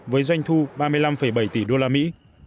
với doanh thu ba mươi năm bảy tỷ đô la mỹ